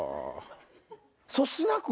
粗品君？